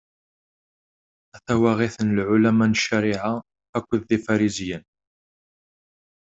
A tawaɣit n Lɛulama n ccariɛa akked Ifarisiyen.